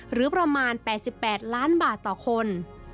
หรือประมาณ๘๘ล้านบาทต่อคน